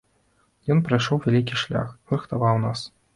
Ён прайшоў вялікі шлях, рыхтаваў нас.